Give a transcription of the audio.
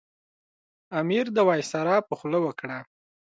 امیر د وایسرا په خوله وکړه.